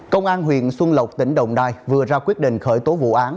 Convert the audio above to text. công an huyện xuân lộc tỉnh đồng nai vừa ra quyết định khởi tố vụ án